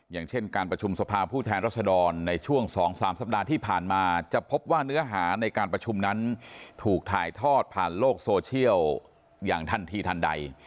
อย่างเช่นการประชุมสภาผู้แทนรัศดรในช่วง๒๓สัปดาห์ที่ผ่านมาจะพบว่าเนื้อหาในการประชุมนั้นถูกถ่ายทอดผ่านโลกโซเชียลอย่างทันทีทันใด